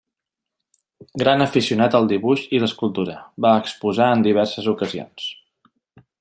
Gran aficionat al dibuix i l'escultura, va exposar en diverses ocasions.